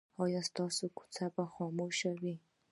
ایا ستاسو کوڅه به خاموشه وي؟